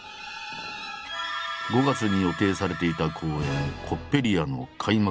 ５月に予定されていた公演「コッペリア」の開幕